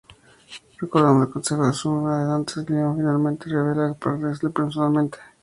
Recordando el consejo de Su-na de antes, Leon finalmente se revela para agradecerle personalmente.